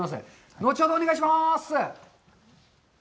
後ほどお願いします。